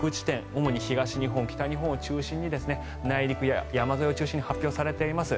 主に東日本、北日本を中心に内陸や山沿いを中心に発表されています。